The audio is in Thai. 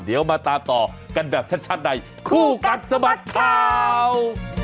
เดี๋ยวมาตามต่อกันแบบชัดในคู่กัดสะบัดข่าว